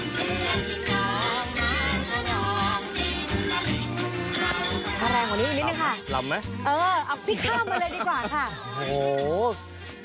แรงกว่านี้อีกนิดนึงค่ะลำไหมเออเอาพี่ข้ามมาเลยดีกว่าค่ะโอ้โห